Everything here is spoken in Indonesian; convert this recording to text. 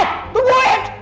ada apa sih